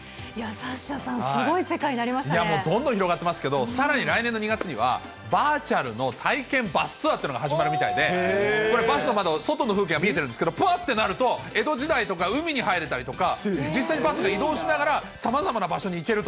サッシャさん、すごい世界にもうどんどん広がってますけど、さらに来年の２月には、バーチャルの体験バスツアーというのが始まるみたいで、これ、バスの窓、外の風景が見えてるんですけど、ぱってなると江戸時代とか海に入れたりとか、実際にバスが移動しながら、さまざまな場所に行けると。